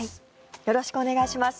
よろしくお願いします。